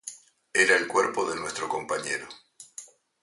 Era el cuerpo de nuestro compañero.